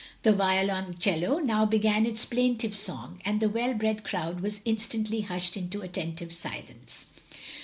The violoncello now began its plaintive song, and the well bred crowd was instantly hushed into attentive silence.